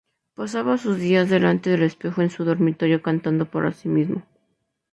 Pasaba sus días delante del espejo en su dormitorio, cantando para sí mismo.